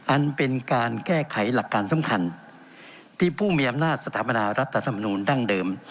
อันเป็นการแก้ไขหลักการสำคัญที่ผู้มีอำนาจสถาปนารัฐธรรมนูลดั้งเดิม